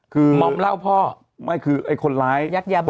หม่อมเล่าพ่อยักษ์ยาบ้าเด็กคือคนร้าย